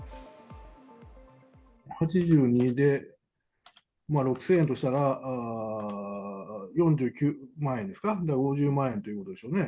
８２で６０００円としたら、４９万円ですか、だから５０万円ということでしょうね。